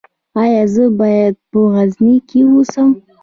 ایا زه باید په غزني کې اوسم؟